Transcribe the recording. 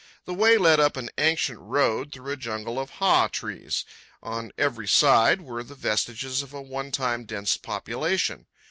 The way led up an ancient road through a jungle of hau trees. On every side were the vestiges of a one time dense population.